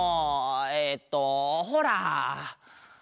えっとほら！